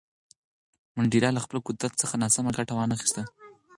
منډېلا له خپل قدرت څخه ناسمه ګټه ونه خیسته.